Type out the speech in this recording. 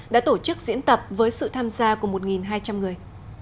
đã tổ chức diễn tập với sự tham gia của một hai trăm linh người